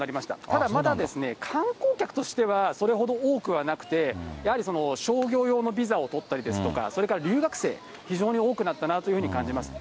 ただ、まだ観光客としてはそれほど多くはなくて、やはりその商業用のビザを取ったりですとか、それから留学生、非常に多くなったなというふうに感じます。